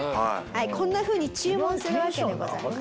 こんなふうに注文するわけでございます。